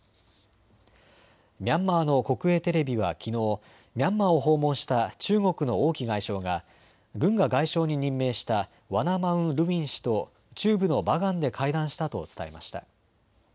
ミャンマーの国営テレビはきのうミャンマーを訪問した中国の王毅外相が軍が外相に任命したワナ・マウン・ルウィン氏と中部のバガンで会談したと伝えました。